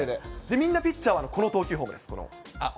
みんなピッチャーはこの投球フォームです。